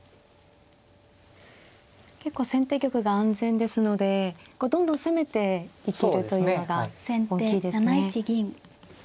結構先手玉が安全ですのでどんどん攻めていけるというのが大きいですね。